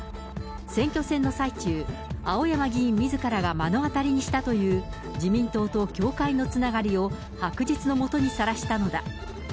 選挙戦の最中、青山議員みずからが目の当たりにしたという、自民党と教会のつながりを、白日の下にさらしたのだ。